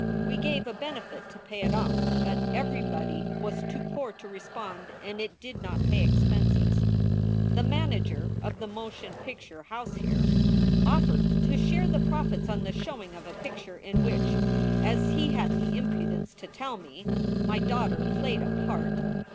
We gave a benefit to pay it off, but everybody was too poor to respond, and it did not pay expenses. The manager of the motion picture house here offered to share the profits on the showing of a picture in which, as he had the impudence to tell me, my daughter played a part.